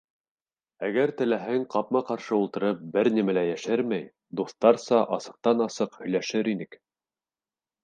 Әгәр теләһәң, ҡапма-ҡаршы ултырып, бер нимә лә йәшермәй, дуҫтарса асыҡтан-асыҡ һөйләшер инек.